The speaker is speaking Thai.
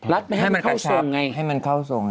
ไม่ให้มันเข้าทรงไงให้มันเข้าทรง